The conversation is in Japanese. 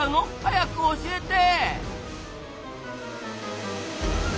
早く教えて！